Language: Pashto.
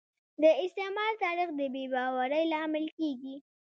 د استعمار تاریخ د بې باورۍ لامل کیږي